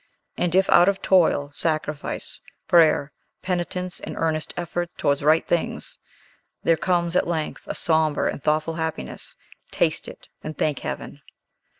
And if, out of toil, sacrifice, prayer, penitence, and earnest effort towards right things, there comes at length a sombre and thoughtful, happiness, taste it, and thank Heaven!